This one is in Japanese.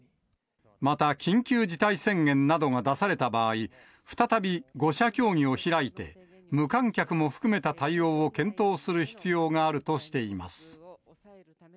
また緊急事態宣言などが出された場合、再び５者協議を開いて、無観客も含めた対応を検討する必要があるとしています。